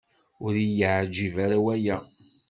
Ur yi-yeɛǧib ara waya.